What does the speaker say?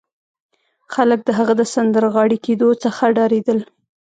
خلک د هغه د سندرغاړي کېدو څخه ډارېدل